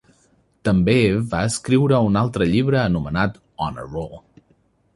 També va escriure un altre llibre anomenat On a Roll.